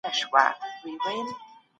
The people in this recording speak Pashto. د نکاح له اصلي احکامو څخه دادي